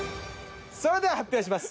それでは発表します。